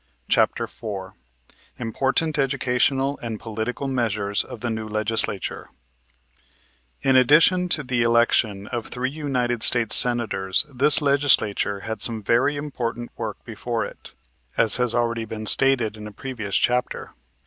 CHAPTER IV IMPORTANT EDUCATIONAL AND POLITICAL MEASURES OF THE NEW LEGISLATURE In addition to the election of three United States Senators this Legislature had some very important work before it, as has already been stated in a previous chapter.